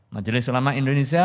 majelis ulama indonesia